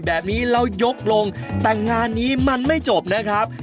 แบบนี้เรายกลงแต่งานนี้มันไม่จบนะครับ